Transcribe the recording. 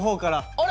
あれ？